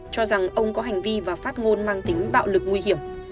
cho rằng ông có hành vi và phát ngôn mang tính bạo lực nguy hiểm